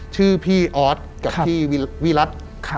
ชื่อพี่ออสกับพี่วิรัติ